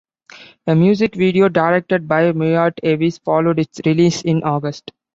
A music video directed by Meiert Avis followed its release in August.